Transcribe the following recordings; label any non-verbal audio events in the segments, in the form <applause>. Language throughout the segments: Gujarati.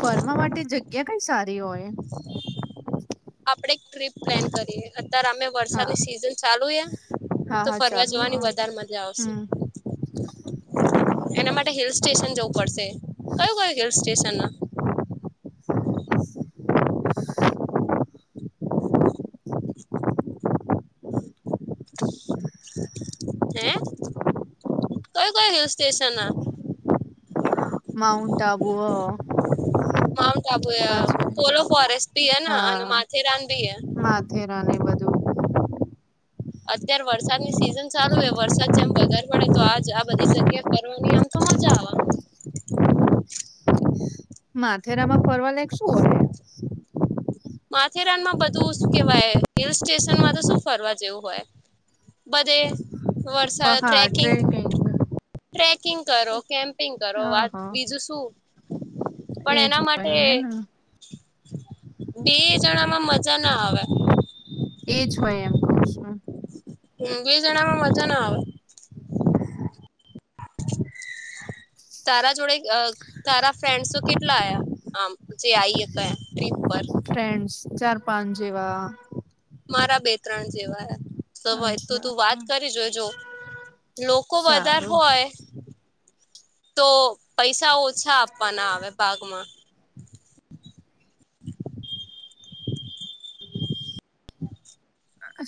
ફરવા માટે જગ્યા કઈ સારી હોય. આપડે એક ટ્રીપ પ્લાન કરીએ. અત્યારે અમે હા વરસાદની સિઝન ચાલુ હા તો હા ફરવા ચાલુ જવાની હા વધારે મજા આવશે. હમ એના માટે હિલ સ્ટેશન જવું પડશે કયું કયું હિલ સ્ટેશન. <inaudible> <inaudible> હે કયુ ક્યુ હિલ સ્ટેશન હ. માઉન્ટન્ટ આબુ હો. માઉન્ટ આબુ એ પોલો ફોરેસ્ટ બી એ અને માથેરાન બી એ. થેરાન એ બધું. અત્યારે વરસાદ ની સિઝન ચાલુ હો વરસાદ જેમ વધારે પડે તો આજ આ બધી જગ્યા <unintelligible> આમ તો મજા આવે. માથેરા માં ફરવા <unintelligible> શું. માથેરાન માં બધું શું કેવાય હિલ સ્ટેશનમાં તો શું ફરવા જેવું હોય. બધે વરસાદ ટ્રેકિંગ ટ્રેકિંગ કરો કેમ્પ. <unintelligible> કરો વાત અહ બીજું શું પણ એજ એના માટે. હોય હેને બે જણા માં મજા ના આવે. એજ હોય એમ. હ બે જણામાં મજા ના આવે. તારા જોડે તારા ફ્રેન્ડસ તો કેટલા <unintelligible> આમ જે આઈ ટ્રીપ પર. ફ્રેન્ડ્સ ચાર પાંચ જેવા. મારા બે ત્રણ જેવા <unintelligible> તો અચ્છા તું વાત કરી જો જો. લોકો વધારે સારું હોય. તો પૈસા ઓછા આપવાના આવે ભાગમાં.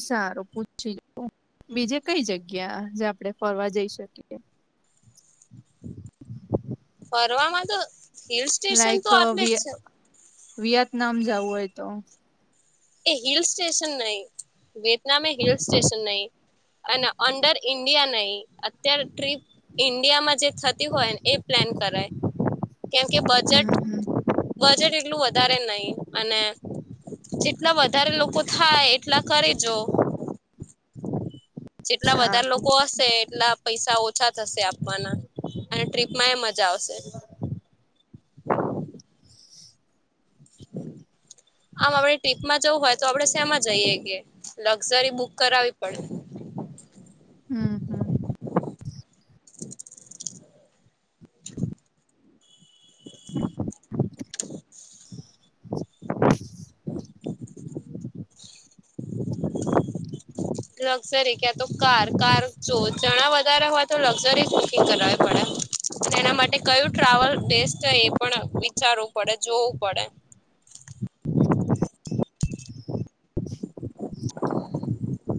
સારું <unintelligible> બીજે કઈ જગ્યા જે આપડણે ફરવા જઈ શકીએ. ફરવાવામાં તો હિલ સ્ટેશન તો આટલે જ છે. વિયતનામ જવું હોય તો. એ હિલ સ્ટેશન નહી વિેતનામ એ હિલ સ્ટેશન નહી અને અંડર <unintelligible> ઇન્ડિયા નહી અત્યારે ટ્રીપ ઇન્ડિયામાં જે. થતી હોયને એ પ્લાન કરાય કેમ કે હમ બજેટ. હમ બજેટ એટલું વધારે <unintelligible> અને જેટલા વધારે લોકો થાય એટલા કરીજો. જેટલા સારું વધારે લોકો હશે એટલા પૈસા ઓછા થશે આપવાના. અને ટ્રીપમાં એ મજા આવશે. હમ. આમ આપણે ટ્રીપમાં જવું હોય તો આપડણે શેમાં જઈએ કે લક્ઝરી બુક કરાવવી પડે. હમ <unintelligible> <unintelligible> <inaudible> <inaudible> લક્ઝરી ક્યાં તો કાર કાર જો જણા વધારે હોય તો લક્ઝરી બુકિંગ કરાવ પડે. તેના માટે કયું ટ્રાવેલ બેસ્ટ <unintelligible> એ પણ વિચારવું પડે જોવું પડે.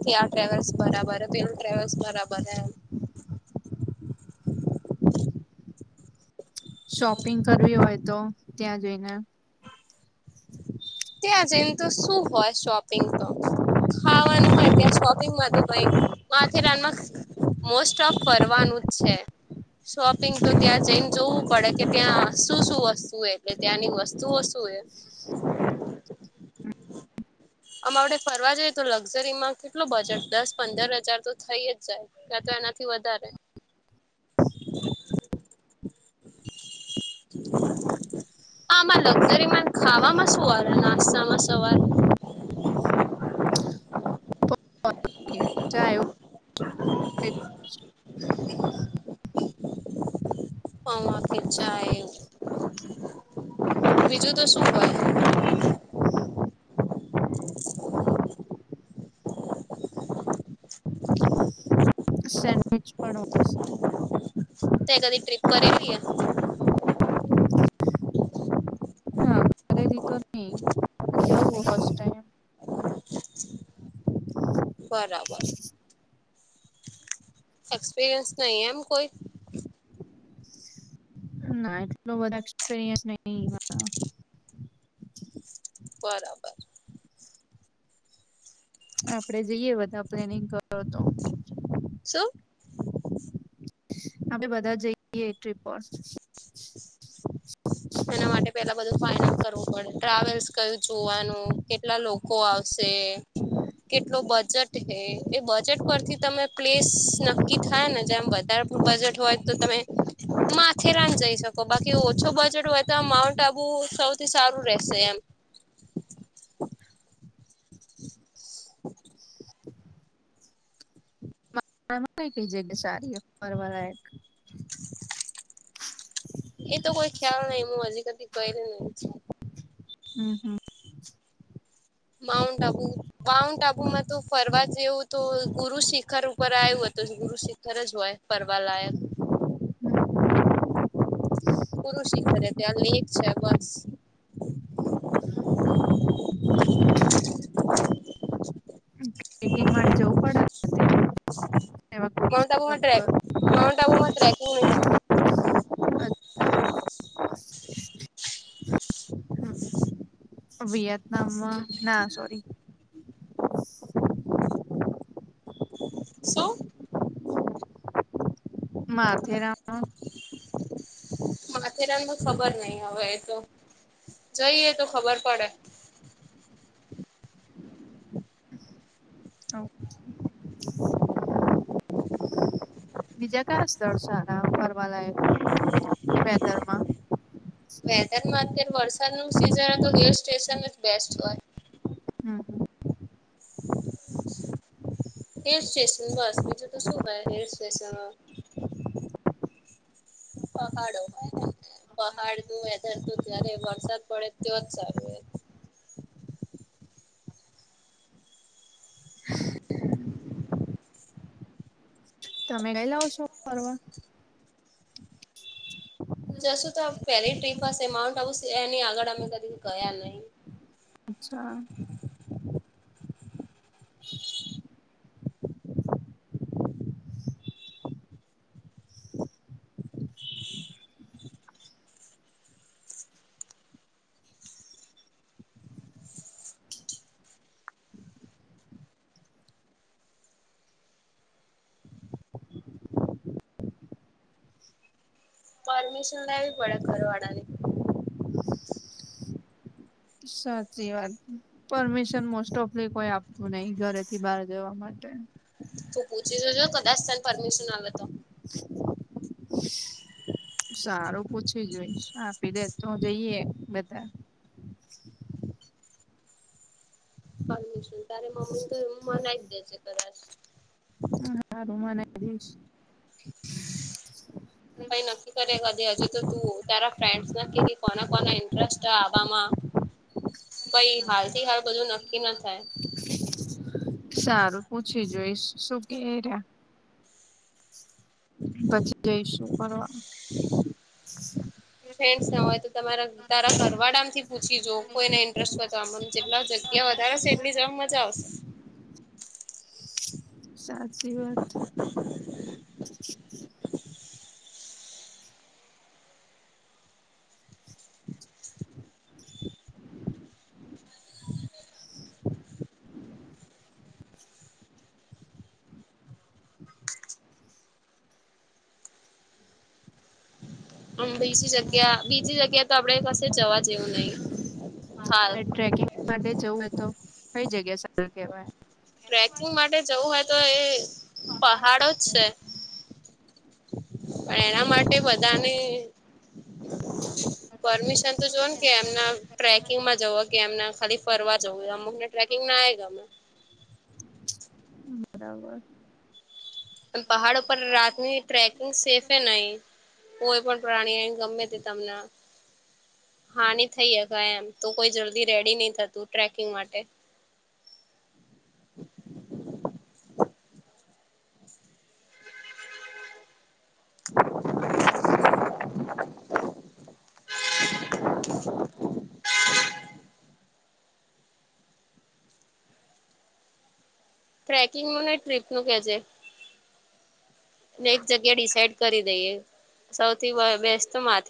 ત્યા આ ટવલ્સ બરાબર <unintelligible> પેલ ટ્રલ્સ બરાબર હ એમ. શોપિંગ કરવી હોય તો ત્યાં જઈને. ત્યાં જઈને તો શું હોય શોપિંગ તો. ખાવાનું હોય ત્યાં શોપિંગમાં તો કઈ <unintelligible> મોસ્ટ ઓફ ફરવાનું જ છે. શોપિંગ તો ત્યાં જઈને જોવું પડે કે ત્યાં શું શું વસ્તુ હો એટલે ત્યાંની વસ્તુઓ શું <unintelligible> હા આમ આપડે ફરવા જઈએ તો લક્ઝરીમાં કેટલું બજેટ દસ પંદર હજાર તો થઇ જ જાય. ત્યા તો એનાથી વધારે. <unintelligible> આમાં લકઝરીમાં ખામાં શું આવે નાસ્તામાં સવારે. <unintelligible> <inaudible> બીજું તો શું હોય. <unintelligible> સેન્ડવચ પણ હોય છે તે કદી ટ્રિપ <unintelligible> <unintelligible> બરાબર. સક્સપીરિયન્સ નહી એમ કોઈ. ના એટલો બધ એક્સપરયસ નઈ મને. બરાબર. આપડે જઈએ બધા પ્લેનિંગ કરો તો. શું? આપડે બધા જઈએ એ ટ્રીપ પર. એના માટે પેલા બધું ફાાઈનલ કરવું પડે ટ્રાવેલ્સ કયું જોવાનું કેટલા લોકો કો આવશે. કેટલો બજેટ હે એ બજેટ પરથી તમે પ્લેસ નક્કી થાય ને જેમ વધારે બજેટ હોય તો તમે માથેરાન જઈ શકો બાકી ઓછો બજેટ હોય તો માઉન્ટ આબુ સૌથી સારું રહેશે એમ. <inaudible> માં કઈ કઈ જગ્યા સારી ફરવા લાયક. એતો કોઈ ખ્યાલ નહી હું હજી કદી ફઈરી નહી છું. હમ્મ હમ્મ. માઉન્ટઆબુ. માઉન્ટ આબુમાં તો ફરવા જેવું તો ગુરુ શિખર ઉપર આવ્યું હતું ગુરુ શિખર જ હોય. ફરવાલાયક. પુરુશિખર હે ત્યા લેક છે બસ. ટ્રેકિંગ માટે જવું પડે એવા કોર્સ માઉન્ટઆબુ પર માં ટ્રે માઉન્ટઆબુમાં ટ્રેકિંગ નઈ હોતી. વયતનામ ના સોરી. શું? માથેરામનું. માથેરાનનુ ખબર નહી હવે એ તો જઈએ તો ખબર પડે. <inaudible> <inaudible> <inaudible> બીજા કયા સ્થળ સારા ફરવાલાયકર વેધરમાં. વેધરમાં અત્યારે વરસાદનું સિઝન તો હિલ સ્ટેશન જ બેસ્ટ હોય. હમ્મ હમ્મ. હિલ સ્ટેશન બસ બીજું તો શું હોય હિલ સ્ટેશનમાં. પહાડો પહાડ નું વેધર તો જયારે વરસાદ પડે તો જ સારું રેય. <inaudible> તમે ગય લાવ છો ફરવા. જશું તો પેલી ટ્રીપ હશે એ માઉન્ટ આવું એની આગળ અમે કદી ગયા નહી. અચ્છા. <inaudible> પરમિશન લેવી પડે ઘરવાળાની. <inaudible> સાચી વાત. પરમિશન મોસ્ટઓફ લી કોઈ આપતું નહી ઘરેથી બહાર જવા માટે. તું પૂછીશ જોતો કદાચ તને પરમિશન આલે તો. <inaudible> સારું પૂછી જોઈશ આપી દે તો જઈએ બધા. શું તારે મમ્મી તો એમ મનાઈ જ દે છે કદાચ. હ હારુ મનાઈ દઈશ. કઈ નક્કી કરે કદી હજી તો તું તારા ફ્રેન્ડસ ને કોન કોન ઇન્ટરેસ્ટ છે આવામાં પઈ હાલ થી હાલ બધું નક્કી ન થાય. સારું પૂછી જોઈશ શું કે એરયા. પછી જઈશું ફરવા. ફ્રેન ના હોય તો તમારા તારા ઘરવાળા થી પૂછી જોઅ કોઈને ઇન્ટરેસ્ટ હોય તો તો આમ જેટલા જગ્યા વધારે છે એટલી જવામાં મજા આવશે. સાચી વાત <inaudible> હમ્મ બીજી જગ્યા બીજી જગ્યા તો આપડે કસે જવા જેવું નહી હાલ ટ્રેકિંગ માટે જવું તો કઈ જગ્યા સારી શું કેવાય ટ્રેકિંગ માટે જવું હોય તો એ પહાડો જ છે પણ એના માટે બધાને <inaudible> પરમિશન તો જોવે ને કે એમના ટ્રેકિંગમાં જવુ કે એમના ખાલી ફરવા જવું અમુક ને ટ્રેકિંગ ના એ ગમે બરાબર પહાડો ઉપર રાતની ટ્રેકિંગ સેફે નહી. કોઈ પણ પ્રાણી આઈ ગમે તે તમને હા થઇ હકે એમ તો કોઈ જલ્દી રેડી નઈ થતું ટ્રેકિંગ માટે ટ્રેકિંગ નુ ને ટ્રીપ નું કેજે એક જગ્યા ડિસાઈડ કરી દઈએ સૌથી બેસ્ટ તો માથે